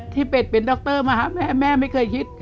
ที่เฟดเป็นด็อกเตอร์มหาแม่ไม่เคยคิด